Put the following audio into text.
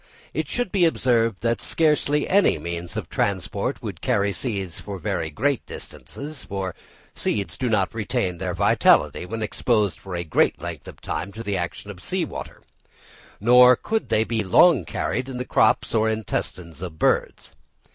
It should be observed that scarcely any means of transport would carry seeds for very great distances; for seeds do not retain their vitality when exposed for a great length of time to the action of sea water; nor could they be long carried in the crops or intestines of birds.